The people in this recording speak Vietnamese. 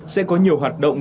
sẽ có nhiều hoạt động